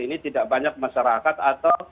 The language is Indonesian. ini tidak banyak masyarakat atau